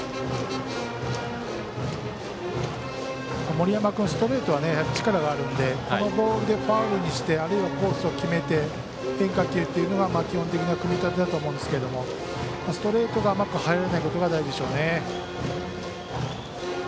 森山君、ストレートはやはり力があるのでこのボールでファウルにしてあるいはコースを決めて変化球っていうのが基本的な組み立てだと思うんですけどストレートが甘く入らないことが大事でしょうね。